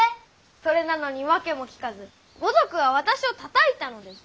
それなのに訳も聞かず五徳は私をたたいたのです。